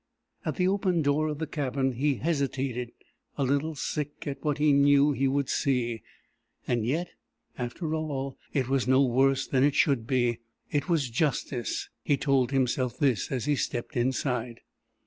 At the open door of the cabin he hesitated, a little sick at what he knew he would see. And yet, after all, it was no worse than it should be; it was justice. He told himself this as he stepped inside.